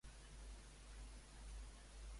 Tots dos progenitors són igual de populars?